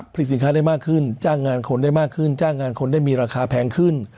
ผลิตสินค้าได้มากขึ้นจ้างงานคนได้มากขึ้นจ้างงานคนได้มีราคาแพงขึ้น